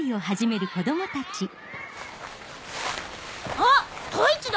あっ十一だ！